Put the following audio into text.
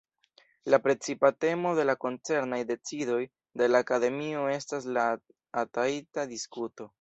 La precipa temo de la koncernaj decidoj de la Akademio estas la ata-ita-diskuto.